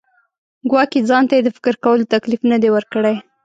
ګواکې ځان ته یې د فکر کولو تکلیف نه دی ورکړی.